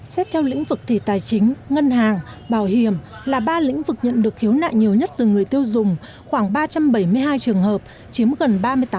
xét theo lĩnh vực thì tài chính ngân hàng bảo hiểm là ba lĩnh vực nhận được khiếu nại nhiều nhất từ người tiêu dùng khoảng ba trăm bảy mươi hai trường hợp chiếm gần ba mươi tám